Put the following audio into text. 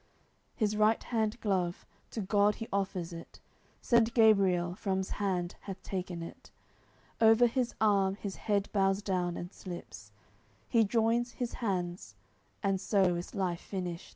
His right hand glove, to God he offers it Saint Gabriel from's hand hath taken it. Over his arm his head bows down and slips, He joins his hands: and so is life finish'd.